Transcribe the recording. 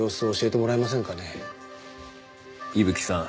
伊吹さん？